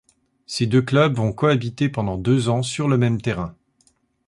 Ces deux clubs vont cohabiter pendant deux ans sur le même terrain.